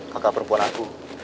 kakak perempuan aku